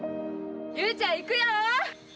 雄ちゃん行くよ！